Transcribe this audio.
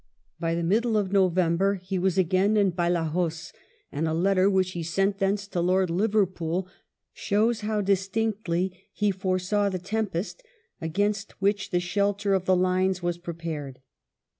By the middle of November he was again in Badajoz, and a letter which he sent thence to Lord Liverpool shows how distinctly he foresaw the tempest against which the shelter of the Lines was prepared.